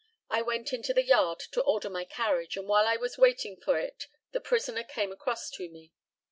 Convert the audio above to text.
I went into the yard to order my carriage, and while I was waiting for it the prisoner came across to me.